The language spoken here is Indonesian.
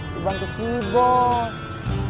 dibantu sih bos